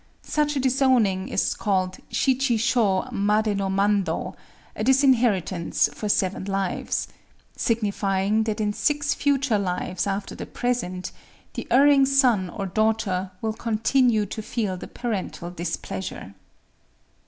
Such a disowning is called shichi shō madé no mandō, a disinheritance for seven lives,—signifying that in six future lives after the present the erring son or daughter will continue to feel the parental displeasure.